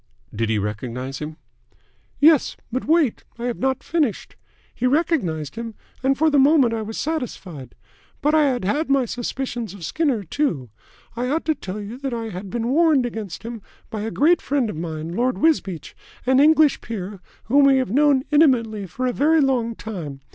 "Did he recognise him?" "Yes. But wait. I have not finished. He recognised him, and for the moment I was satisfied. But I had had my suspicions of Skinner, too. I ought to tell you that I had been warned against him by a great friend of mine, Lord Wisbeach, an English peer whom we have known intimately for a very long time.